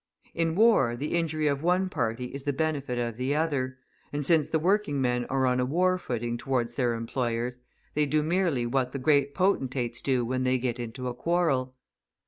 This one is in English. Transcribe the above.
In war the injury of one party is the benefit of the other, and since the working men are on a war footing towards their employers, they do merely what the great potentates do when they get into a quarrel.